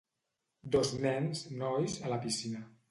Dos nens, nois, a la piscina.